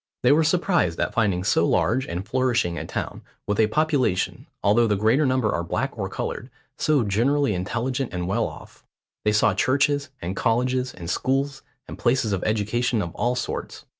They were surprised at finding so large and flourishing a town, with a population, although the greater number are black or coloured, so generally intelligent and well off. They saw churches, and colleges, and schools, and places of education of all sorts.